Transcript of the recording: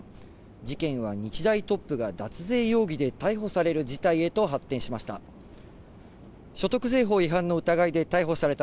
事件は日大トップが脱税容疑で逮捕される事態へと発展しました。